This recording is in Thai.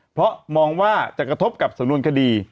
เพราะมองว่าจะกระทบกับสำนวนคดี